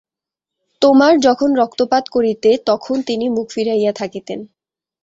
তোমার যখন রক্তপাত করিতে তখন তিনি মুখ ফিরাইয়া থাকিতেন।